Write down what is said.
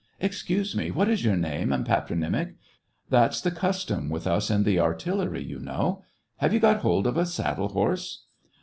..." Excuse me, what is your name and patro nymic ? that's the custom with us in the artillery, you know. Have you got hold of a saddle horse.''